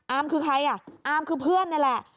อาร์มคือใครอาร์มคือเพื่อนนี่แหละ